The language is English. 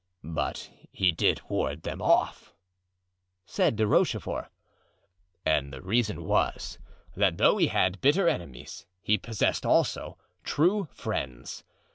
"But he did ward them off," said De Rochefort, "and the reason was, that though he had bitter enemies he possessed also true friends.